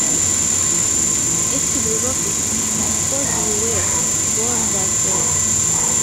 It's probably because you were born that way.